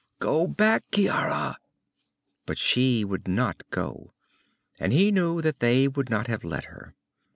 "Go back, Ciara!" But she would not go, and he knew that they would not have let her.